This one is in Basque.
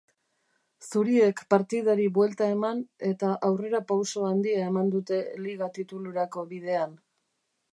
Zuriek partidari buelta eman eta aurrerapauso handia eman dute liga titulurako bidean.